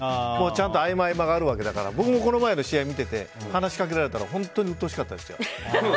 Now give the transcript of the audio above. ちゃんと、合間合間があるわけだから僕もこの前の試合見てて話しかけられたら本当にうっとうしかったですよ。